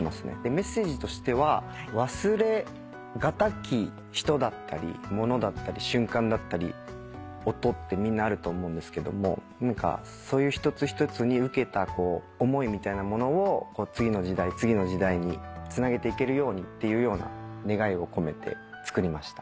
メッセージとしては忘れ難き人だったり物だったり瞬間だったり音ってみんなあると思うんですけどもそういう一つ一つに受けた思いみたいなものを次の時代次の時代につなげていけるようにっていうような願いを込めて作りました。